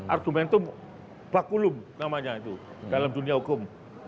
argumentum bakulum namanya itu dalam dunia hukum